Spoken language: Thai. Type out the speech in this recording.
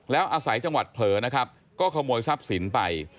แล้วอาศัยจังหวัดเผลอนะครับก็ขโมยทรัพย์สินไป